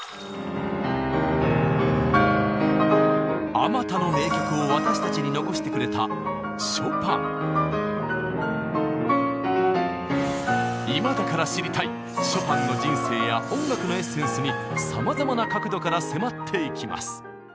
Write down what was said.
あまたの名曲を私たちに残してくれた今だから知りたいショパンの人生や音楽のエッセンスにさまざまな角度から迫っていきます。